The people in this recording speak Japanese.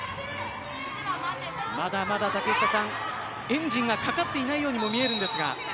まだまだエンジンがかかっていないようにも見えるんですが。